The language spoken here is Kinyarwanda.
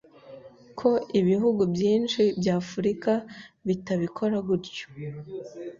ko ibihugu byinshi by’afurika bitabikora gutyo